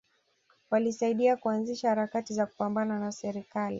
Walisaidia kuanzisha harakati za kupambana na serikali